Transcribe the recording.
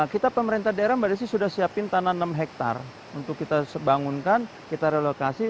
kita pemerintah daerah mbak desi sudah siapin tanah enam hektare untuk kita bangunkan kita relokasi